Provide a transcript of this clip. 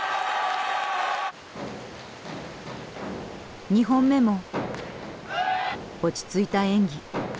２本目も落ち着いた演技。